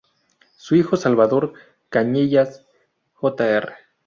Su hijo Salvador Cañellas, Jr.